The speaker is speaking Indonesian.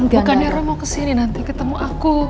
bukannya roy mau kesini nanti ketemu aku